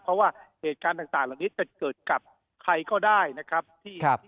เพราะว่าเหตุการณ์ต่างเหล่านี้จะเกิดกับใครก็ได้นะครับ